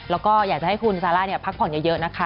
แล้วก็อยากจะให้คุณซาร่าพักผ่อนเยอะนะคะ